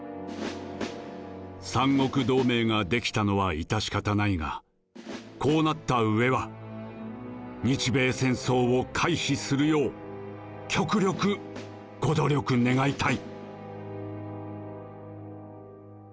三国同盟が出来たのは致し方ないがこうなったうえは日米戦争を回避するよう極力ご努力願いたい。